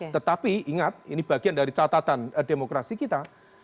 tetapi ingat ini bagian dari catatan demokrasi kita